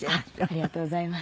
ありがとうございます。